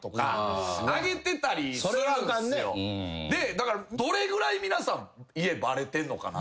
だからどれぐらい皆さん家バレてんのかなって。